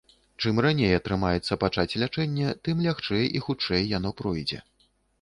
Чым раней атрымаецца пачаць лячэнне, тым лягчэй і хутчэй яно пройдзе.